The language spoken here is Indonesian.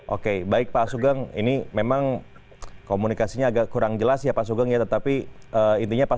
oke baik pak sugeng ini memang komunikasinya agak kurang jelas ya pak sugeng ya tetapi intinya